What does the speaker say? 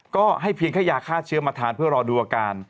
ก็ให้เพียงแค่ยาฆ่าเชื้อมาทานเพื่อรอดูอาการ